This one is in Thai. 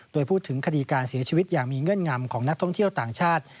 โดยพูดถึงคดีการเสียชีวิตอย่างมีเงื่อนงำของนักท่องเที่ยวต่างชาติ